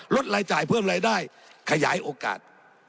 ลดรายจ่ายเพิ่มรายได้ขยายโอกาส